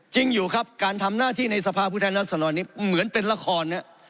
จริงอยู่ครับการทำหน้าที่ในสภาพผู้แทนรัศดรนี้เหมือนเป็นละคร